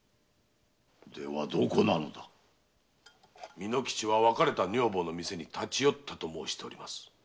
猪之吉は別れた女房の店に立ち寄ったと申しております。